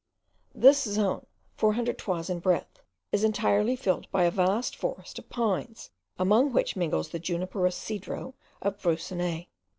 This zone, four hundred toises in breadth, is entirely filled by a vast forest of pines, among which mingles the Juniperus cedro of Broussonnet.